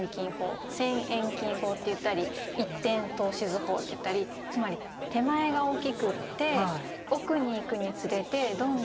線遠近法といったり一点透視図法といったりつまり手前が大きくって奥に行くにつれてどんどんこう小さくなって。